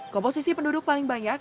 komposisi penduduk paling banyak